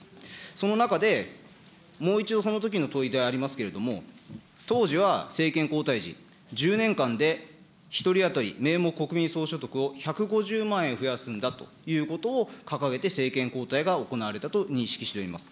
その中で、もう一度そのときの問いでありますけれども、当時は政権交代時、１０年間で１人当たり名目国民総所得を１５０万円増やすんだということを掲げて政権交代が行われたと認識をしております。